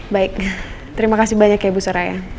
baik terima kasih banyak ya ibu soraya